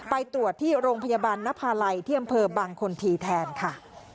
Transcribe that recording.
ไปตรวจที่โรงพยาบาลนภาลัยที่อำเภอบางคนทีแทนค่ะ